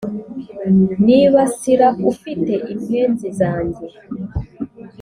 Nibasira ufite impenzi zanjye